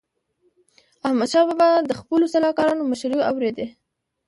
احمدشاه بابا د خپلو سلاکارانو مشوري اوريدي.